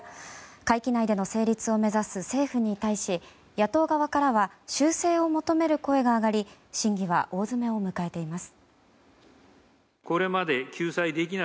会期内での成立を目指す政府に対し野党側からは修正を求める声が上がり審議は大詰めを迎えています。